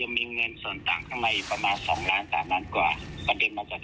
ก็เลยเกิดเรื่องขึ้นประเด็นหลักที่ผมรู้มันเกี่ยวกับเซฟพอร์ทอง๑๕บาท